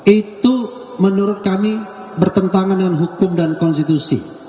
itu menurut kami bertentangan dengan hukum dan konstitusi